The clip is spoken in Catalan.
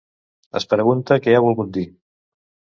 Es pregunta què ha volgut dir.